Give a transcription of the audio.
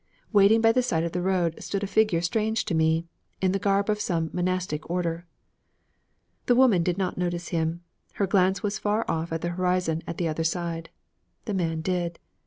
Waiting by the side of the road, stood a figure strange to me, in the garb of some monastic order. The woman did not notice him. Her glance was far off at the horizon at the other side. The man did.